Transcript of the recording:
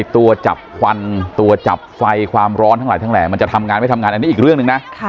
ตัวจับควันตัวจับไฟความร้อนทั้งหลายทั้งแหล่มันจะทำงานไม่ทำงานอันนี้อีกเรื่องหนึ่งนะ